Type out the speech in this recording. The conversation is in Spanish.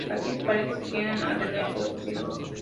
Aquellas parejas que tienden a tener pocos hijos.